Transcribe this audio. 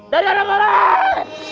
dari arah barat